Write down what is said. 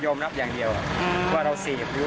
ยัดข้อหา